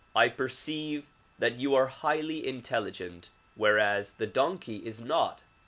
I perceive that you are highly intelligent whereas the donkey is not.